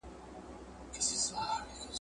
تاسي باید خپله ځواني په نېکو کارونو کي تېر کړئ.